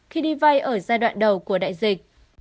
khi đi vay ở giai đoạn đầu của đại dịch